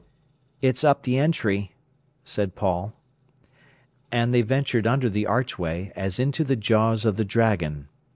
"It's up the entry," said Paul. And they ventured under the archway, as into the jaws of the dragon.